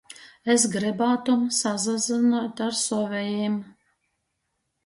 Es grybātum sasazynuot ar sovejim.